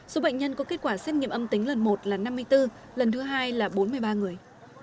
số bệnh nhân có kết quả xét nghiệm âm tính lần một là năm mươi bốn lần thứ hai là bốn mươi ba người